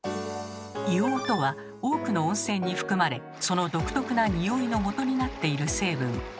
硫黄とは多くの温泉に含まれその独特なニオイのもとになっている成分。